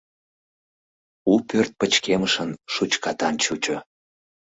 У пӧрт пычкемышын, шучкатан чучо.